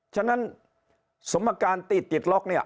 ฉะนั้นสมการติดล็อกเนี่ย